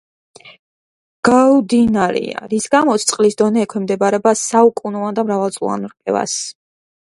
გაუდინარია, რის გამოც წყლის დონე ექვემდებარება საუკუნოვან და მრავალწლოვან რყევას.